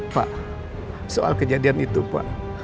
pak soal kejadian itu pak